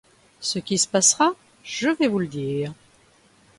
Ce qui se passera je vais vous le dire.